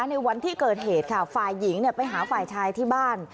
ในวันที่เกิดเหตุค่ะฝ่ายหญิงไปหาฝ่ายชายที่บ้าน